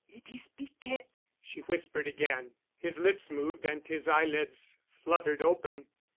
"It is Piquette," she whispered again. His lips moved and his eyelids fluttered open.